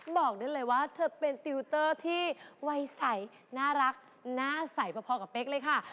บอกได้เลยว่าเธอเป็นติวเตอร์ที่วัยใสน่ารักหน้าใสพอกับเป๊กเลยค่ะ